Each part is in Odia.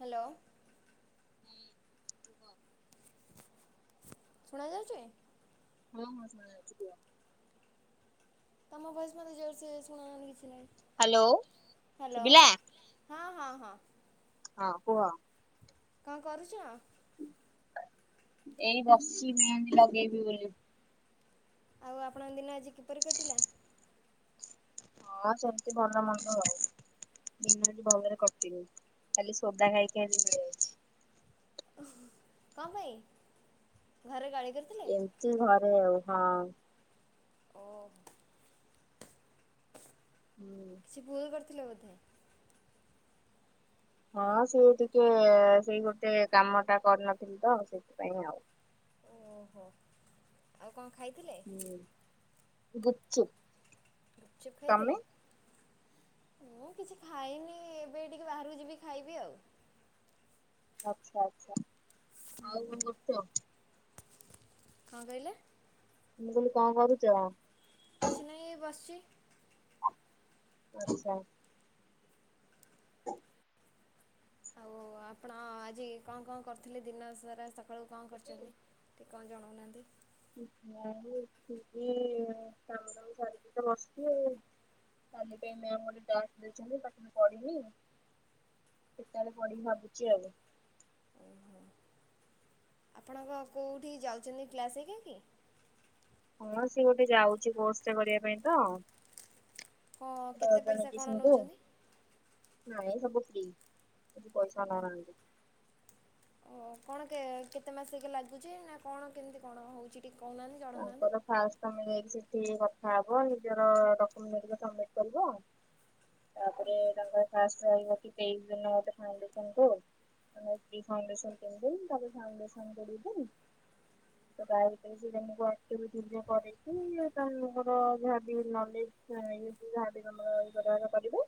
ହ୍ୟାଲୋ। ହୁଁ ତୁ ଶୁଣା ଯାଉଛି? ହଁ ହଁ ଶୁଣାଯାଉଛି କୁହ। ତମ ବଏସ୍ ମତେ ଜରସେ ଶୁଣା ଯାଉନି କିଛି ନାହିଁ ହ୍ୟାଲୋ ହ୍ୟାଲୋ ଶୁଵିଲା। ହଁ ହଁ ହଁ। ହଁ କୁହ। କଣ କରୁଛ? ଏଇ ବସିିଚି ମେହେନ୍ତି ଲଗେଇବି ବୋଲି। ଆଉ ଆପଣଙ୍କ ଦିନ ଆଜି କିପରି କଟିଲା? ହଁ ସେମିତି ଭଲ ମନ୍ଦ ହଉ। ଦିନ ଆଜି ଭଲରେ କଟିନି ଖାଲି ସୋଦା ଖାଇକି ଆଜି ଆଜି ଯାଇଛି। କଣ ପାଇଁ ଘରେ ଗାଳି କରିଥିଲେ ଏମତି ଘରେ ଆଉ ହଁ। ଓ। ହୁଁ। କିଛି ଭୁଲ କରିଥିଲେ ବୋଧେ? ହଁ ସିଏ ଟିକେ ସେଇ ଗୋଟେ କାମଟା କରିନଥିଲ ତ ସେଥିପାଇଁ ଆଉ। ଓହୋ ଆଉ କଣ ଖାଇଥିଲ? ହୁଁ ଗୁପ୍ ଚୁପ୍। ଗୁପଚୁପ ଖାଇଥିଲେ? ମୁଁ କିଛି ଖାଇନି ଏବେ ଟିକେ ବାହାରକୁ ଯିବି ଖାଇବି ଆଉ। ଆଛା ଆଛା ଆଉ କଣ କରୁଛ? କଣକହିଲେ? ମୁଁ କହିଲି କଣ କରୁଛ? କିଛି ନାହିଁ ବସିଛି। ଆଛା। ଆଉ ଆପଣ ଆଜି କଣ କଣ କରିଥିଲେ ଦିନ ସାରା ସକାଳୁ କଣ କରିଛନ୍ତିି କଣ ଯଣଉନାହାନ୍ତି। ମୁଁ ଆଉ କିଛି କାମ ଦାମ ସାରିକି ତ ବସଛି ଆଉ। କାଲି ପାଇଁ ମୋମ୍ ଗୋଟେ ଟାସ୍କ ଦେଇଛନ୍ତି ତାକୁ ମୁଁ କରିନି। କେତେବେଳେ ପଢ଼ିବି ଭାବୁଛି ଆଉ। ଆପଣଙ୍କ କୋଉଠି ଯାଉଛନ୍ତି କ୍ଲାସ ହେରିକା କି? ହଁ ସିଏ ଗୋଟେ ଯାଉଛି କୋର୍ସ ଟା କରିବା ପାଇଁ ତ। ହଁ କେତେ ବରଦା ପଇସା କ'ଣ ମେଡିସିନ କୁ ନେଉଛନ୍ତି ନାଇ ସବୁ ଫ୍ରି। କିଛି ପଇସା ନେଉନାହାନ୍ତି। ଓ କଣ କେ କେତେ ମାସ ଲାଗୁଛି ନା କଣ କେମିତି କଣ ହଉଛି? ତାଙ୍କର ଫାଷ୍ଟ ତମେ ଯାଇକି ସେଠ ଟିକେ କଥା ହବ ନିଜର ଡକ୍ୟୁମେଣ୍ଟ ହେରୀକା ସମିଟ କରିବ ତାପରେ ତାଙ୍କର ଫାଷ୍ଟ ରହିବ କି ତେଇଶ ଦିନ ମୋଟେ ଫାଉଣ୍ଡେସନ କୁ। ପ୍ରି ଫାଉଣ୍ଡସନ ତିନିଦିନ ତାପ ଫାଉଣ୍ଡସନ କରିବାନି। ତ ତାଭିତରେ ସେ ତମେ ରାତିରୁ ଦିନ କରିଛି ତାହାଲେ ମୋର ଯଦି ନ ନେଇ ଇ ଯାହାବି ଗଣ୍ଡଗୋଳ ନିଜେ ତୋହର କରିବୁ।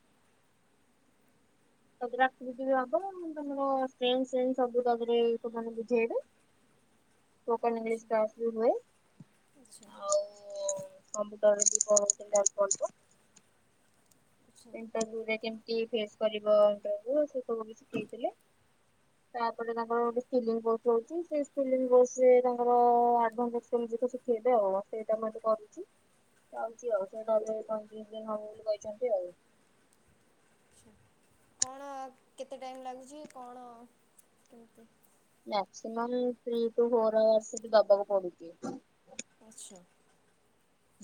ତା ପରେ ଆକୃତି ହବନା ମୁଁ ତମର ସେମ୍ ସିମ୍ ସବୁ ତପରେ ସେମାନେ ବୁଝେଇବେ। ହ ସ୍ପୋକେନ୍ ଇଂଲିଶ କ୍ଲାସ୍ ବି ରୋଲ୍। ଆଚ୍ଛା। ଓମ କପୁଟର ବି ପ [unintelligible] କରଚ। ଆଚ୍ଛା ଇଣ୍ଟରବୁ ରେ କେମତି ଫେସ୍ କରିବ ସବୁ ସେ ସବୁ ଶିଖେଇ ଥିଲେ। ତାପରେ ତାଙ୍କର ଗୋଟ ସ୍କିଲିଂ କୋଷ ରହୁଛି ସେ ସ୍କିଲିଙ୍ଗ କୋର୍ସ୍ ରେ ତାଙ୍କର ଏଡଭାନ୍ସ ସି ଜେତିକ ସିଖେଇବେ ଆଉ ସେଇଟା ମୁଁ ଏବେ କରୁଛି। ଯାଉଛି ଆଉ ସେ ଗଲେ ଦି ତିନ ଦିନି ହବ ବୋଲି କହିଛନ୍ତି ଆଉ। କଣ କେତେ ଟାଇମ ଲାଗୁଛି କଣ କେମତି? Maximum three two four hours ସେଠୀ ଦବାକୁ ପଡୁଛି। ଆଚ୍ଛା।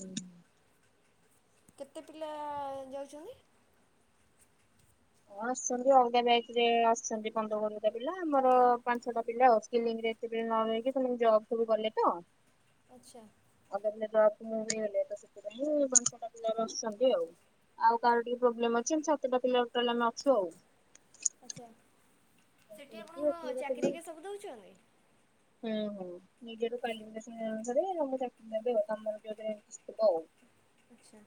ହୁଁ। କେତେ ପିଲା ଯାଉଛନ୍ତି? ହଁ ଆସୁଛନ୍ତି ଅଲଗା ବ୍ୟାଚ ରେ ଆସଛନ୍ତି ପନ୍ଦର କୋଡ଼ିଏଟା ପିଲା ଆମର ପାଞ୍ଚଛଟା ପିଲା ଆଉ ସିଲିଙ୍ଗ ଯେତେବେଳେ ନ ରହିକି ସେମାନେ ଜବ ସବୁ ଗଲେ ତ। ଆଚ୍ଛା [unintelligible] ମୁଭି ହେଲେ ତ ସେଥିପାଇଁ ପାଞ୍ଚଛଟା ପିଲା ଏବେ ଆସୁଛନ୍ତି ଆଉ। ଆଉ କାହାର ଟିକେ ପ୍ରୋବ୍ଲେ ଅଛି ଏମିତି ସାତଟା ପିଲା ଆମେ ଟୋଟାଲି ଆମେ ଅଛୁ ଆଉ। ଆଛା ସେଠି ଆପଣଙ୍କ ଚାକିର ହାରିକା ସବୁ ଦଉଛନ୍ତି। ହୁଁ ହୁଁ ନିଜର କ୍ୱାଲିଫିକେଶନ ଅନୁସାରେ ଆମେ ଚାକିରି ନେବେ ଆଉ ଆମର [unintelligible] ଆଉ। ଆଛା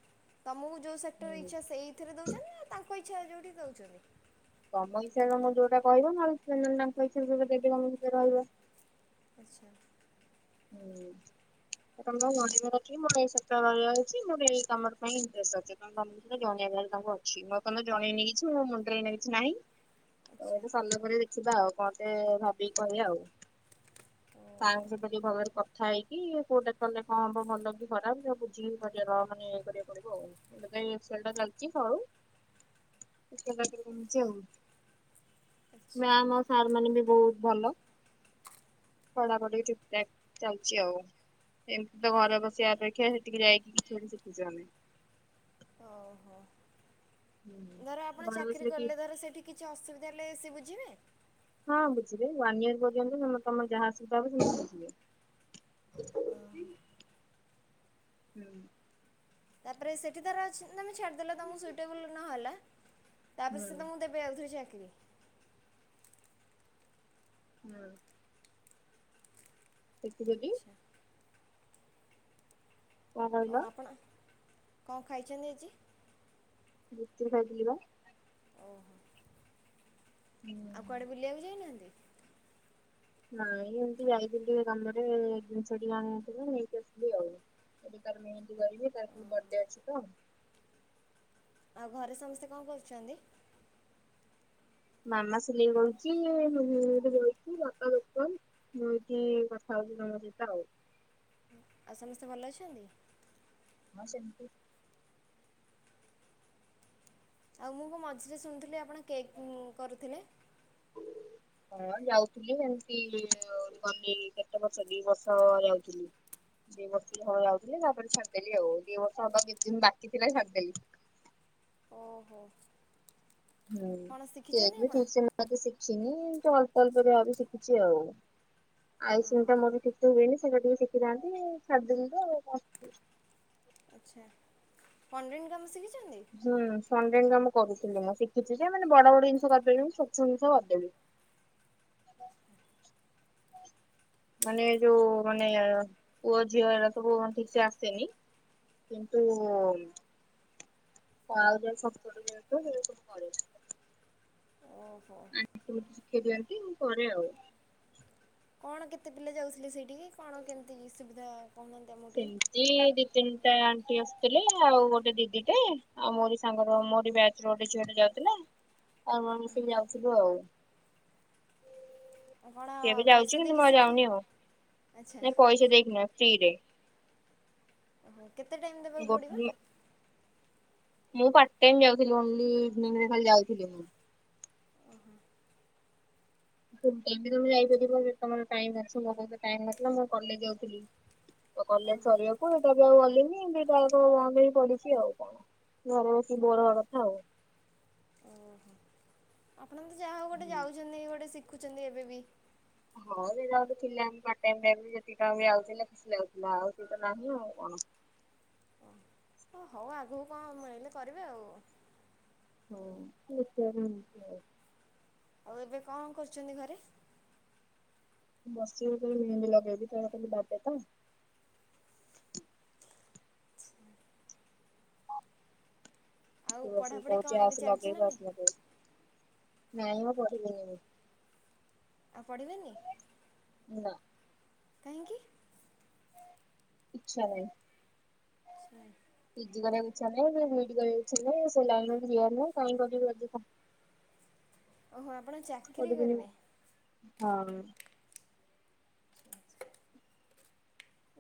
ତମକୁ ଯୋଉ ସେକ୍ଟର ହୁଁ ଇଛା ସେଇଥିରେ ଦଉଛନ୍ତି ନା ତାଙ୍କ ଇ ଛା ଯଉଠି ଦଉଛନ୍ତି? ତମ ହିସାବରେ ତମେ ଯୋଉଟା କହିବ ନହେଲେ ସେ ତାଙ୍କ ହିସାବରେ ଯୋଉଟା ଦେବେ ତମକୁ ସେତିରେ ରହିବ। ଆଛା। ହୁଁ। ତମେ ତମର ଜଣାଇବାର ଅଛି ମୋ ଏଇ ସପ୍ତାହ ରହିବାର ଅଛି। ମୋ ଏଇ କାମର ପାଇଁ ଇଣ୍ଟ୍ରେଷ୍ଟ୍ ଅଛି। ତମେ ତାଙ୍କୁ ଜଣେଇ ତାଙ୍କୁ ଅଛି, ମୁଁ ଏପନ୍ତ ଜଣେଇ ନେଇ କିଛି ମୋ ମୁଣ୍ଡରେ ଏଇନା କିଛି ନାହିଁ। ହଉ ଆଚ୍ଛା ସରିଲା ପରେ ଦେଖିବା ଆଉ କଣ ଟେ ଭାବିକି କହିବା ଆଉ ତାଙ୍କ ଓହୋ ଭଲରେ କଥା ହେଇକି କଉଟା କଲେ କଣ ହବ। ଭଲ କି ଖରାପ ସବୁ ବୁଝିକି କରିବାର ମାନେ ଇଏ କରିବାକୁ ପଡ଼ିବ ଆଉ। ଏଇଲେ କାଇଁ ଏକ୍ସଲଟା ଲାଗଚି ସରୁ। [inaudible] [unintelligible] ଆଚ୍ଛା ମ୍ୟାାମ ଆଉ ସାର୍ ମାନେ ବି ବହୁତ ଭଲ। ପଢାପଢି ଠିକ ଚା ଚାଲିଛି ଆଉ। ଏମିତି ତ ଘରେ ବସିବା ଅପେକ୍ଷା ସହେଠିକି ଯାଇକି, କିଛି ଗୋଟେ ଶିଖୁଚୁ ଆମେ। ହ [inaudible] ଧର ଆପଣ ଘରେ ଚାକିରୀ ବସିଲେ କି କଲେ ଧର ସେଠି କିଛି ଅସୁବିଧା ହେଲେ ସେ ବୁଝିବେ। ହଁ ବୁଝିବେ। ୱାନ୍ ଇୟର ପର୍ଯ୍ୟନ୍ତ ତ ତମର ଯାହା ଅସୁବିଧା ସେମାନେ ବୁଝିବେ। ଓହୋ। ହୁଁ। ତାପରେ ସେଠି ତାର ଅଛି। ତମେ ଛାଡ଼ିଦେଲ ତମକୁ ସୁଇଟେବୁଲ ନହଲା। ତାପରେ ହୁଁ ସେ ତମକୁ ଦେବେ ଆଉ ଥରେ ଚା କିରି। ନା। କେତେ ଦେବି। ଆଚ୍ଛା। କଣ ଓ କହିଲ ଆପଣ କଣ ଖାଇଛନ୍ତି ଆଜି। ଗୁପଚୁପ ଖାଇଥିଲି ବା। ଓହୋ। ଆଉ କୁଆଡେ ବୁଲିବାକୁ ଯାଇନାହାଁନ୍ତି। ନାଇଁ ଏମତି ଯାଇଥିଲି ଟିକେ କାମରେ, ଜିନିଷ ଟିକେ ଆଣିବା ପାଇଁ ନେଇକି ଆସିଲି ଆଉ। ଏବେ ତାର ମେହେନ୍ଦି କରିବି, ତାର କାଲି ବର୍ଥଡେ ଅଛି ତ। ଆଉ ଘରେ ସମସ୍ତେ କଣ କରୁଛନ୍ତି? ମାମା ସିଲେଇ କରୁଚି, ମୁଁ ଏଠି ବଇଛି ବାପା ଦୋକାନ ମୁଏଠି କଥା ଥା ହେଉଚି ତମ ସହିତ ଆଉ। ଆଉ ସମସ୍ତେ ଭଲ ଅଛନ୍ତି। ହଁ ସେମତି। ଆଉ ମୁଁ କଣ ମଝିରେ ଶୁଣୁଥିଲି ଆପଣ କେକ୍ କୁଁ କରୁଥିଲେ। ହଁ [inaudible] ହଁ ଯାଉଥିଲି ଏମିତି ଗଲି କେତେ ବର୍ଷ ଦି ବର୍ଷ ଯାଉଥିଲି। ଦି ବର୍ଷ ହବ ଯାଉଥିଲି ତାପରେ ଛାଡିଦେଲି ଆଉ ଦିବର୍ଷ ହବା ଦିଦିନ ବାକି ଥିଲା ଛାଡିଦେଲି। ହ ଓହ। ହୁଁ କେକ ବି ଠିକସେ ମାଆତ ଶିଖିନି। ତ ଅଳ୍ପ ଅଳ୍ପ ଯାହାବି ଶିଖିଛିଆଉ। ଆଇସିଂ ଓହୋ ଟା ମୁଁ ବି ଠିକସେ ହେଇନି ସେଟା ଟିକେ ଶିଖିଥାନ୍ତି ଛାଡି ଦେଲିତ ଆଛା ଫଣ୍ଡ୍ରିଙ୍ଗ କାମ ଶିଖିଛ ହୁଁ ଫଣ୍ଡ୍ରିନ କାମ କରୁଥିଲି ମୁଁ ଶିଖିଛି ଯେ ମାନେ ବଡ ବଡ ଜିନିଷ କରିପାରିବିନି ଛୋଟ ଛୋଟ ଜିନିଷ କରିଦେବି। ହ [inaudible] ମାନେ ଯୋଉ ମାନେ ପୁଅ ଝିଅ ଏଡା ସବୁ ଠିକ ସେ ଆସେନି। କିନ୍ତୁ ଉ ଆଉ ଜା ଛୋଟ ଛୋଟ ଜିନିଷ ସେରା ସବୁ କରେ। କେମିତି ହ। ଶିଖେଇ ଦିଅନ୍ତି ମୁ କରେ ଆଉ। କଣ କେତେ ପିଲା ଯାଉଥିଲେ ସେଇଠିକି କଣ କେମିତି କି ସୁବିଧା? କହୁନାହାନ୍ତି ଆମକୁ ଟିକେ ସେମିତି ଦି ତିନି ଟା। ଆସୁଥିଲେ ଆଉ ଗୋଟେ ଦିଦି ଟେ ଆଉ ମୋରି ସାଙ୍ଗର ମୋରି ବ୍ୟାଚ ର ଗୋଟେ ଝିଅଟେ ଯାଉଥିଲା। ଆଉ ଆମେ ମିସିକି ଯାଉଥିଲୁ ଆଉ। [inaudible] ଏବେ ପଇସା ଯାଉଛି କିନ୍ତୁ ଦେଇକି ମୁଁ ଆଉ ଶିଖ ଯାଉନି ଆଉ ଆଚ୍ଛା ନାଇ ପଇସା ଦେଇକି ନୁହେ ଫ୍ରିରେ। ଓହୋ କେତେ ଟାଇମ ଦେବାକୁ ଗୋ ପଡିବ? ମୁଁ ପାଟ ଟାଇମ ଯାଉଥିଲି ଓନଲି ଇଭିନିଙ୍ଗ ରେ ଖାଲି ଯାଉଥିଲି ମୁଁ। ଓହୋ। ଯୋଉ ତମେ ଯାଇପାରିବ ଯଦି ତମର ଟାଇମ ଅଛି ମୋ ପାଖରେ ଟାଇମ ନଥିଲା ମୁଁ କଲେଜ ଯାଉଥିଲି। [inaudible] ତ କଲେଜ ସରିବାକୁ ଏଟା ବି ଆଉ ଗଲିନି। ଇଁ ଦିଟା ଜାଗା କୁ ବନ୍ଦ ହେଇକି ପଡ଼ିଛି ଆଉ କଣ ଘରେ ବସି ବୋର ହବ କଥା ଆଉ। ଓହୋ ଆପଣ ତ ଯାହା ହଉ ଗୋଟେ ଯାଉଛନ୍ତି ଗୋଟେ ଶିଖୁଛନ୍ତି ଏବେ ବି। ହଁ ସେ ଯାହା ବି ଥିଲା ଏମିତି ପାର୍ଟ ଟାଇମ୍ ରେ ବି ଯେତିକି କାମ ବି ଆଉଥିଲା ଖୁସି ଲାଗୁଥିଲା ଆଉ ସେ ତ ନାହିଁ ଆଉ କଣ। ହଁ। ଓ ଓ ହଉ ଆଗକୁ କଣ ମିଳିଲେ କରିବେ ଆଉ। ହଉ ଦେଖିବା କଣ ହଉଚି ଆଉ। ଆଉ ଏବେ କଣ କରୁଛନ୍ତି ଘରେ? ବସିଚି ଏଇଠି ଗୋଟେ ମେହେନ୍ଦି ଲଗଉଚି ତାର କାଲି ବାଡେ ତ। ଆଉ ସେ ବସିକି ପଢ଼ାପଢ଼ି କହୁଚି କଣ ଏବେ ଆସେ ଚାଲିଛି ନା ଲଗେଇବୁ ନାହିଁ ଆସ ଲାଗେଇବୁ। ନାଇ ମ ପଢ଼ିବିନି ମୁଁ। ଆଉ ପଢିବେନି। ନା। କାହିଁକି? ଇଚ୍ଛା ନାହିଁ। ଇଚ୍ଛା ନାହିଁ। ପି ଜି କରିବାକୁ ଇଚ୍ଛା ନାହିଁ କି ବି ଇ ଡି କରିବାକୁ ଇଚ୍ଛା ନାହିଁ ସେ ଲାଇନ୍ ରେ ବି ଯିବାର ନାହିଁ କାହିଁକି କରିବି ଅଯଥା। ଓହୋ ଆ କରିବିନି ହଁ।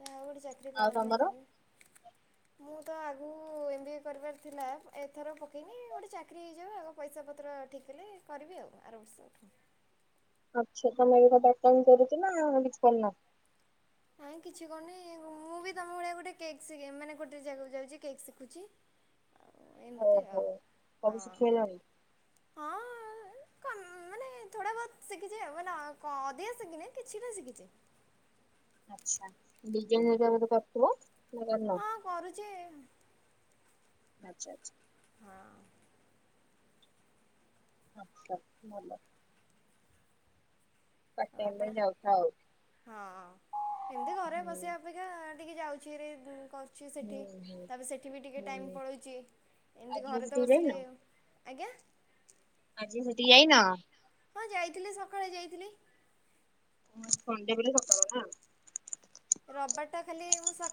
ଆଉ କଉଠି ଚାକିରୀ ଆଉ ପାଆନ୍ତୁ ତମର ଆପଣ ବି ମୁଁ ତ ଆଗୁ। ଏମ୍ ବି ଏ କରିବାର ଥିଲା ଏଥର ପକେଇନି ଗୋଟେ ଚାକିରି ହେଇଯାଉ ଆଗ ପଇସା ପତ୍ର ଠିକ୍ ହେଲେ କରିବି ଆଉ। ଅ-ଆର ବର୍ଷ ଠୁ। ଆଚ୍ଛା ତମେ ଏବେ କଣ ପାର୍ଟ ଟାଇମ୍ କରୁଚ ନା କିଛି କରୁନା। ନାଇଁ କିଛି କରୁନି ମୁଁ ବି ତମ ଭଳିଆ ଗୋଟେ କେକ୍ ଶିଖି ମାନେ ଗୋଟେ ଜାଗାକୁ ଯାଉଛି କେକ୍ ଶିଖୁଛି। ଆଉ ଏମିତି ଆଉ ଓହୋ। ସବୁ ହଁ ଶିଖିଗଲଣି ହଁ। ଆ କ ମାନେ ଥୋଡା ବୋହତ ଶିଖିଛି ଆଉ ମାନେ ଅ କ ଅଧିକା ଶିଖିନି କିଛି ଟା ଶିଖିଛି। ଆଚ୍ଛା ବିରୀୟାନୀ ଘରିକା ବଧେ କରୁଥିବ। ନା କରୁନ? ହଁ କରୁଛି ଏ ଆଚ୍ଛା ଆଚ୍ଛା। ହଁ। ଆଚ୍ଛା ଭଲ। ପାର୍ଟ ଓ ଟାଇମ ପାଇଁ ଆପଣ ଯାଉଥାଅ ଆଉ। ହଁ ଏମିତି ଘରେ ବସିବା ହୁଁ ଅପେକ୍ଷା। ଟିକେ ଯାଉଛି ହେରି ଦି କ ଛି ସେଠି ହୁଁ। ତାପରେ ସେଠି ବି ଟିକେ ଟାଇମ ହୁଁ ପଳଉଛି ଏମିତି ଆଜିକାଲି ଘରେ ତ ସେଠିକି ଯାଇନ ବସିଲେ। ଆଜ୍ଞା। ଆଜି ସେଠି କି ଯାଇନ? ହଁ ଯାଇଥିଲି ସକାଳେ ଯାଇଥିଲି। ଉଁ ସଣ୍ଡେ ବୋଲି ସକାଳୁ ନା।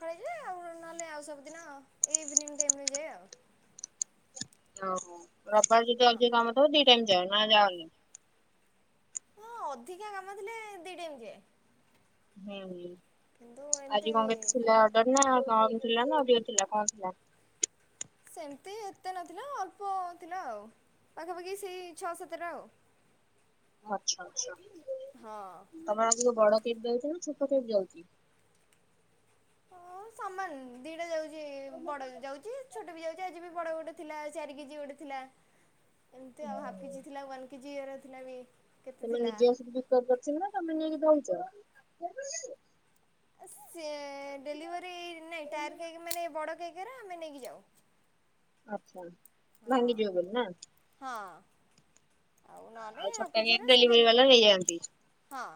ଖେଳ ଆଉ ନହେଲେ ଆଉ ସବୁଦିନଇନି ଯାଏ ଆଉ। ଓହୋ ରବିବାର ଯଦି ହଁ ଅଉ କାମ ଦି ଟାଇ ଯାାଉ ନା ଯାଲେ। ହଁ ଅଧିକା କାମଥିଲେ ଦି ଟାଇମ ଯାଏ। ହୁଁ ହୁଁ କିନ୍ତୁ ଆଜି ଏମିତି କଣ କେ ଥିଲା ଅର୍ଡର ନା କଣ? ଥିଲା ନା ଅଧିକ ଥିଲା କଣ ଥିଲା? ସେମିତି ଏତେ ନଥିଲା ଅଳ୍ପ ଥିଲା ଆଉ। ପାଖାପାଖି ସେଇ ଛଅ ସାତରେ ଆଉ। ଆଛା ଆଛା ହଁ ତମର ଆଗ ବଡ କେ ଯାଉଛି ନାପ କେ ଯାଉଛି। ହଉ ସମାନ ଦିଟା ଯାଉଛି ବଡ ଯାଉଛି ଛୋଟ ବି ଯାଉଛି ଆଜି ବି ବଡ ଗୋଟେ ଥିଲା ଚାରି କେଜି ଗୋଟେ ଥିଲା ଏମତି ଆଉ ହ କେଜି ଥିଲା ୱ କେଜି ଥିଲା ବି। କେତେ ତମେ ଥିଲା। ନିଜେ ସବୁ ବିକ କରିଛ ନା ତମେ ନେଇକି ଦଉଛ। ସେ ଡେଲିଭରି ନାଇଁ ଟାର କେକ୍ ମାନେ ବଡ କେକ୍। ଆମେ ନେଇକି ଯାଉ। ଆଛା ହଁ। ଭାଙ୍ଗି ଯିବ ବୋଲି ନା। ହଁ ନହେଲେ ଆଉ ହାଫ୍ ଛୋଟା କେଜି ଏରା ସେ ଡେଲିଭରି ଡେଲି ବାଲା ନେଇଯାଆନ୍ତି। ହଁ।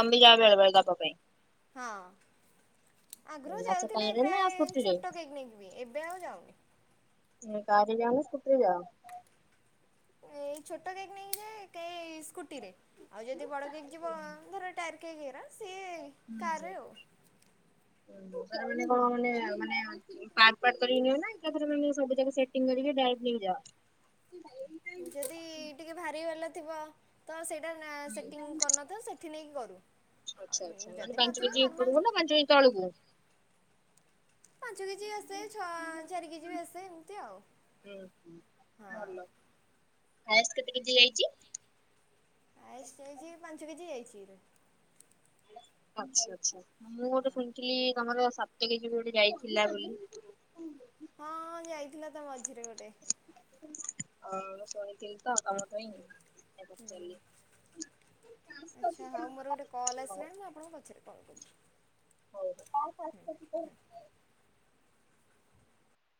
କମ ଯା ବେଳେ ବେଲେ ଦବା ପାଇଁ ପାଇଁ। ହଁ। ଆଗରୁ ଆଚ୍ଛା ଯାଉଥିଲି କାରରେ ନା ପ୍ରାୟ ସ୍କୁଟିରେ ଛୋଟ ପିକନିକ ବି ଏବେ ଆଉ ଯାଉନି। କାର ଯ ନା ସ୍କୁଟର ଯାଅ? ଏଇ ଛୋଟ କୋଇକ୍ ନେଇକ ଯେ କେ ସ୍କୁଟି ରେ ଆଉ ଯଦି ବଡ କୋଇକ୍ ଯିବ ଧର ଟାୟାର କେକ୍ ହେରା। ସିଏ କାରରେ ଆଉ। ହୁଁ ହୁଁ ହୁଁ ହ। ଣ ଏକାେ କରଡ। ଯଦି ଟିକେ ଭାରି ବାଲା ଥିବ ତ ସେ ସେଂ କରିନଥା ସେଠ ନେଇକି କରୁ। ଆଉ ଆଛା ଆଛା ମାନେ ଯଦି ପାଞ୍ଚ ନଥିବ କେଜି ନର୍ମାଲ ଉପରବୁ ଥିବ ନା ପାଞ୍ଚ କେଜି ତଳକୁ? ପାଞ୍ଚ କେଜି ବି ଆସେ ଛ ଚାରି କେଜି ବି ଆସେ ଏମିତି ଆଉ। ହଁ। ଭଲ ହାଏଷ୍ଟ କେତେ କେଜି ଯାଇଛି? ଆଚି ପଞ୍ଚକେଜୀ ଯାଇଛିି। ଆଛା ଆଛା ମୁଁ ଗୋଟେ ଶୁଣିଥିଲି ତମର ସପ୍ତକ ଯ ଗୋଟେ ଯାଇଥିଲା ବୋଲି। ହଁ ଯାଇଥିଲା ତା ମଝିରେ ଗୋଟେ। [unintelligible] [inaudible] ଆଚ୍ଛା ହଉ ମୋର ଗୋଟେ କଲ୍ ହଉ ଆସିଲାଣି ମୁଁ ଆପଣଙ୍କୁ ପଛରେ କଲ୍ ହଉ। କରଛି। ହୁଁ ହୁଁ।